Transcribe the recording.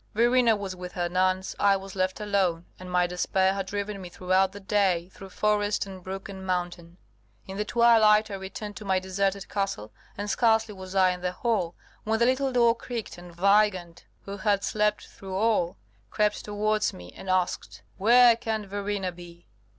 "Verena was with her nuns, I was left alone, and my despair had driven me throughout the day through forest and brook and mountain. In the twilight I returned to my deserted castle, and scarcely was I in the hall, when the little door creaked, and Weigand, who had slept through all, crept towards me and asked: 'Where can Verena be?